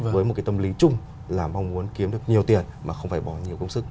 với một cái tâm lý chung là mong muốn kiếm được nhiều tiền mà không phải bỏ nhiều công sức